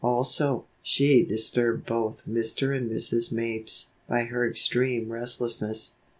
Also, she disturbed both Mr. and Mrs. Mapes by her extreme restlessness.